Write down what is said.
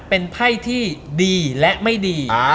เป็นไพ่ที่ดีและไม่ดี